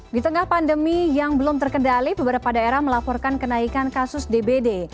di tengah pandemi yang belum terkendali beberapa daerah melaporkan kenaikan kasus dbd